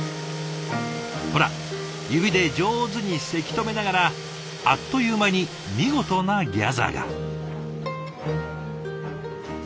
ほら指で上手にせき止めながらあっという間に見事なギャザーが。